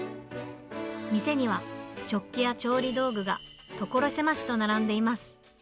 店には食器や調理道具が所狭しと並んでいます。